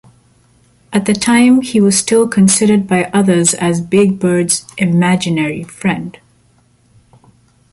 At the time he was still considered by others as Big Bird's "imaginary" friend.